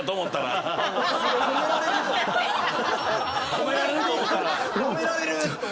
褒められると思ったら。